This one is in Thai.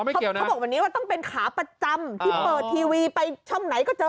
เขาบอกแบบนี้ว่าต้องเป็นขาประจำที่เปิดทีวีไปช่องไหนก็เจอ